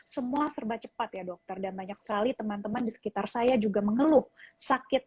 semua serba cepat ya dokter dan banyak sekali teman teman di sekitar saya juga mengeluh sakit